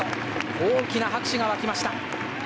大きな拍手が沸きました。